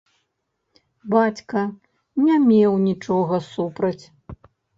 Бацька не меў нічога супраць.